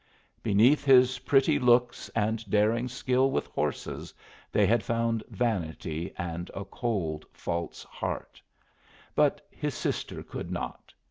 Beneath his pretty looks and daring skill with horses they had found vanity and a cold, false heart; but his sister could not.